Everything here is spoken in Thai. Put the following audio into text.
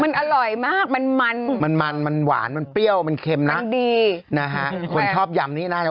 มันอร่อยมากมันมันมันมันมันหวานมันเปรี้ยวมันเค็มนะ